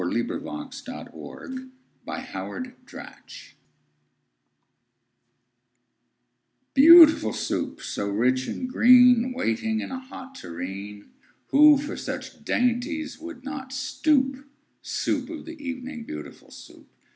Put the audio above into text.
] Lewis Carroll Beautiful Soup BEAUTIFUL Soup, so rich and green, Waiting in a hot tureen! Who for such dainties would not stoop? Soup of the evening, beautiful Soup!